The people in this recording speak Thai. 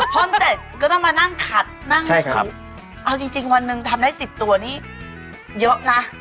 ค้นเสร็จก็ต้องมานั่งขัดนั่งเอาจริงวันหนึ่งทำได้สิบตัวนี่เยอะนะ